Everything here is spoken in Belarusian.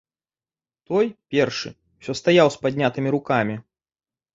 Той, першы, усё стаяў з паднятымі рукамі.